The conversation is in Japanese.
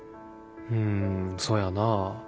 うんそやなぁ。